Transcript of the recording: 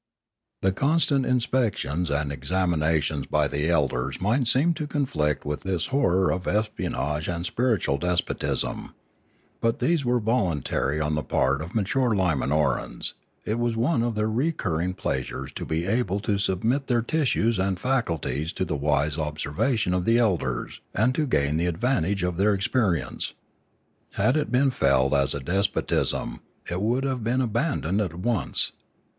The constant inspections and examinations by the elders might seem to conflict with this horror of espion age and spiritual despotism. But these were voluntary on the part of mature Li manor ans; it was one of their recurring pleasures to be able to submit their tissues and faculties to the wise observation of the elders, and to gain the advantage of their experience. Had it been felt as a despotism, it would have been abandoned at once.